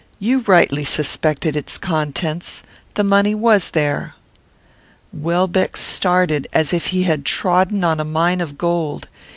You rightly suspected its contents. The money was there." Welbeck started as if he had trodden on a mine of gold.